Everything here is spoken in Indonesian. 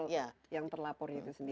yang terlapor itu sendiri